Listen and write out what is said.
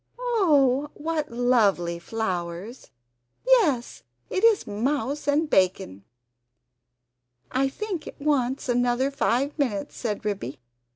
"Oh, what lovely flowers! Yes, it is mouse and bacon!" "I think it wants another five minutes," said Ribby.